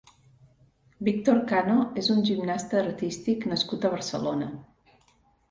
Víctor Cano és un gimnasta artístic nascut a Barcelona.